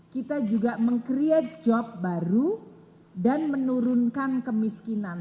kita juga menciptakan job baru dan menurunkan kemiskinan